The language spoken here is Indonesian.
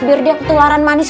biar dia ketularan manis